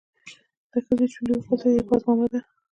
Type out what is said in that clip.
د ښځې شونډې وخوځېدې: باز مامده!